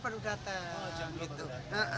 oh jam dua baru datang